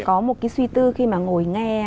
có một suy tư khi mà ngồi nghe